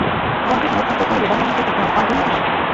বনকে সংরক্ষণ করতে হলে বনের মতোই করতে হবে, পার্কের মতো নয়।